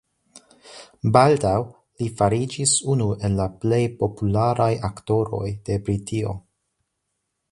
Baldaŭ li fariĝis unu el la plej popularaj aktoroj de Britio.